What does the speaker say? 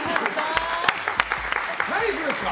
ナイスですか？